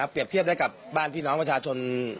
เปรียบเทียบได้กับบ้านพี่สำหรับประชาชน